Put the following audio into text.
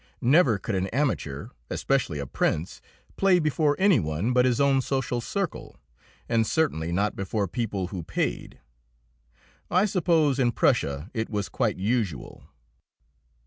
Never could an amateur, especially a prince, play before any one but his own social circle, and certainly not before people who paid. I suppose in Prussia it was quite usual.